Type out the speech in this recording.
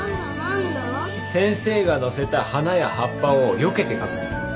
先生がのせた花や葉っぱをよけて書くんだぞ。